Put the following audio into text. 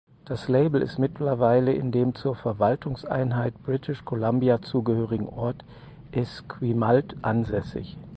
Das Label ist mittlerweile in dem zur Verwaltungseinheit British Columbia zugehörigen Ort Esquimalt ansässig.